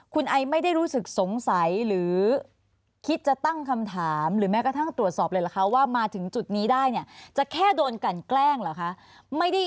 คุณไอไม่ได้รู้สึกสงสัยหรือคิดจะตั้งคำถามหรือแม้กระทั่งตรวจสอบเลยเหรอคะว่ามาถึงจุดนี้ได้เนี่ยจะแค่โดนกันแกล้งเหรอคะ